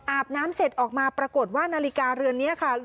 อาบน้ำเสร็จออกมาปรากฏว่านาฬิกาเรือนนี้ค่ะ